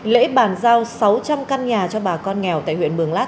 lễ bàn giao sáu trăm linh căn nhà cho bà con nghèo tại huyện mường lát